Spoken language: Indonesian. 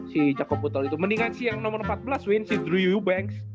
si cokop putel itu mendingan sih yang nomor empat belas win si drew eubanks